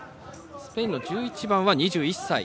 スペインの１１番は２１歳。